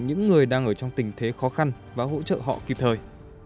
những người đang ở trong tình thế khó khăn và hỗ trợ họ kịp thời